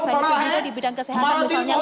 selain itu juga di bidang kesehatan misalnya